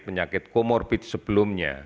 penyakit komorbit sebelumnya